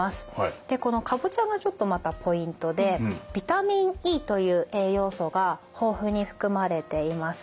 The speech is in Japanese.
でこのカボチャがちょっとまたポイントでビタミンＥという栄養素が豊富に含まれています。